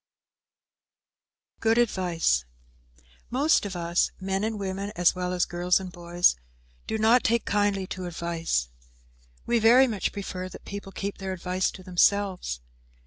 "_ GOOD ADVICE Most of us, men and women as well as girls and boys, do not take kindly to advice. We very much prefer that people keep their advice to themselves.